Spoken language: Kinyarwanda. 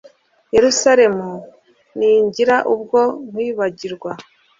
Yeruzalemu ningira ubwo nkwibagirwa